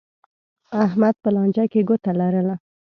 احمد په لانجه کې ګوته لرله.